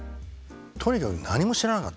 とにかく何も知らなかった。